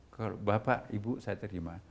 ke bapak ibu saya terima